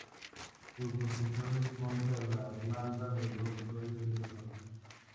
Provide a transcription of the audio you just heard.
Su construcción responde a la demanda de los usuarios de la zona.